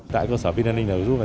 tại cơ sở vinailing group